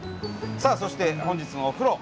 さあそして本日のお風呂